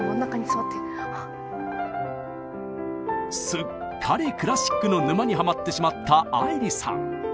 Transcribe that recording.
すっかりクラシックの沼にハマってしまった愛理さん。